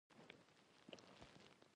آیا تولې وهل د شپون هنر نه دی؟